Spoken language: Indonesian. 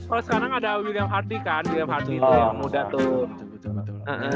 oh sekarang ada william harty kan william harty itu yang muda tuh